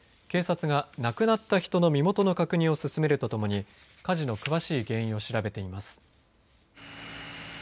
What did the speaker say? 警察が亡くなった人の身元の確認を進めるとともに火事の詳しい原因を調べています。